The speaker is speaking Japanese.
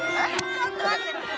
ちょっと待って。